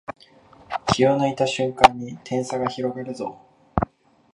気を抜いた瞬間に点差が広がるぞ